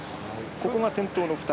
ここが先頭の２人。